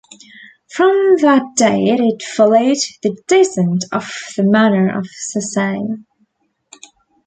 From that date it followed the descent of the manor of Sessay.